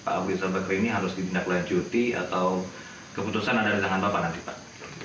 apakah keputusan pak abu rizal bakri ini harus dibina pulang juti atau keputusan anda di tangan pak pak nanti pak